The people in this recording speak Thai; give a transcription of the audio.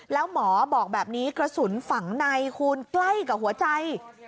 แล้วหมอบอกแบบนี้กระสุนฝังในคูณใกล้กับหัวใจ